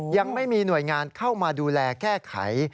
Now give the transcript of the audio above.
ยังไม่มีหน่วยงานเข้ามาดูแลแก้ไข